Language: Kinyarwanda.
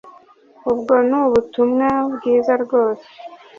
Ubwo ni ubutumwa bwiza rwose